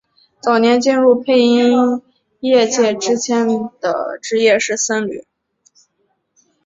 早年进入配音业界之前的职业是僧侣。